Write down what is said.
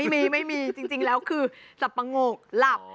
ไม่มีจริงแล้วคือสับปะโงกหลับ